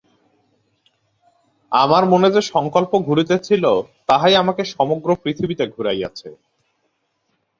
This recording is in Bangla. আমার মনে যে সঙ্কল্প ঘুরিতেছিল, তাহাই আমাকে সমগ্র পৃথিবীতে ঘুরাইয়াছে।